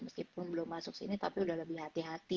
meskipun belum masuk sini tapi udah lebih hati hati